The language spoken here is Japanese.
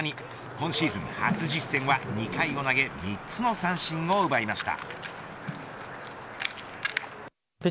今シーズン初実戦は２回を投げ３つの三振を奪いました。